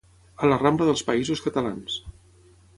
a la Rambla dels Països Catalans